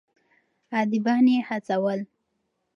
اديبان يې هڅول.